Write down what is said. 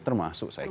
termasuk saya kira ya